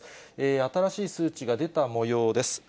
新しい数値が出たもようです。